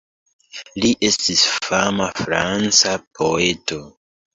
Li estis fama franca poeto.